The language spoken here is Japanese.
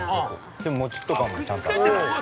でももちっと感もちゃんとあって。